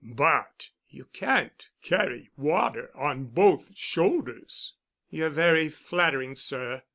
But you can't carry water on both shoulders——" "You're very flattering, sir.